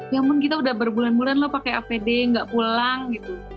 ya ampun kita udah berbulan bulan loh pakai apd nggak pulang gitu